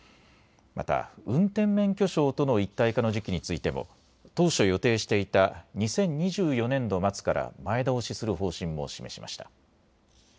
また運転免許証との一体化の時期についても当初予定していた２０２４年度末から前倒しする方針も示しました。